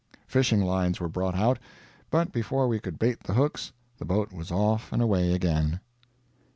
Fishing lines were brought out, but before we could bait the hooks the boat was off and away again.